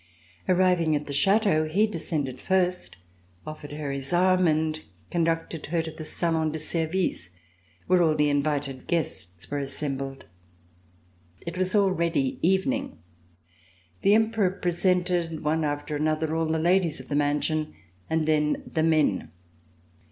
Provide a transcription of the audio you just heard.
Arriving at the Chateau he descended first, offered her his arm and conducted her to the salon de service, where all the invited guests were assembled. It was already evening. The Emperor presented, one after an other, all the ladies of the mansion, and then the men.